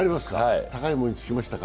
高いものにつきましたか？